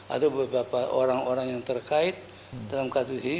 ada beberapa orang orang yang terkait dalam kasus ini